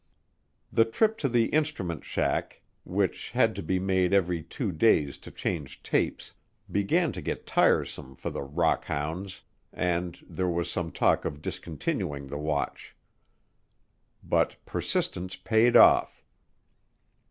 The trip to the instrument shack, which had to be made every two days to change tapes, began to get tiresome for the "rock hounds," and there was some talk of discontinuing the watch. But persistence paid off.